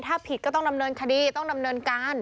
ถ้าผิดก็ต้องดำเนินคดีต้องดำเนินการ